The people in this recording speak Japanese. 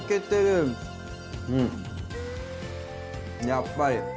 やっぱり。